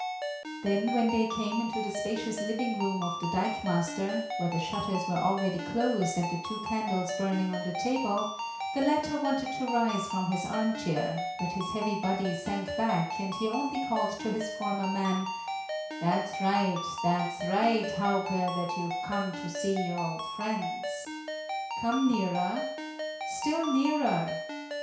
Then when they came into the spacious living room of the dikemaster, where the shutters were already closed and the two candles burning on the table, the latter wanted to rise from his armchair, but his heavy body sank back and he only called to his former man: "That's right, that's right, Hauke, that you've come to see your old friends. Come nearer, still nearer."